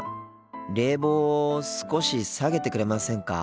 冷房を少し下げてくれませんか？